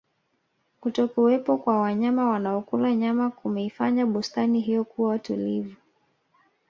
kutokuwepo kwa wanyama wanaokula nyama kumeifanya bustani hiyo kuwa tulivu